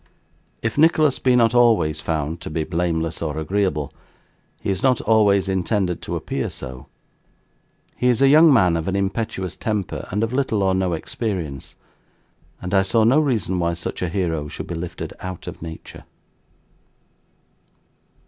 If Nicholas be not always found to be blameless or agreeable, he is not always intended to appear so. He is a young man of an impetuous temper and of little or no experience; and I saw no reason why such a hero should be lifted out of nature.